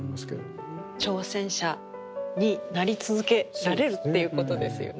挑戦者になり続けられるっていうことですよね。